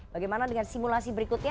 bagaimana dengan simulasi berikutnya